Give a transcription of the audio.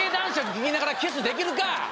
聴きながらキスできるか！